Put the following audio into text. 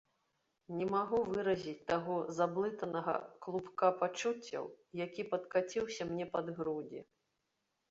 Не магу выразіць таго заблытанага клубка пачуццяў, які падкаціўся мне пад грудзі.